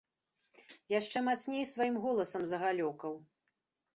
Яшчэ мацней сваім голасам загалёкаў.